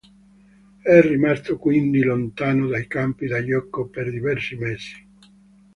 È rimasto quindi lontano dai campi da gioco per diversi mesi.